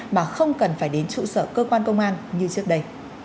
mà không cần phải đến trụ sở cơ quan công an như trước đây